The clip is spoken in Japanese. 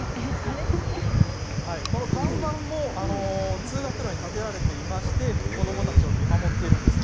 看板も通学路に立てられていまして子どもたちを見守っているんです。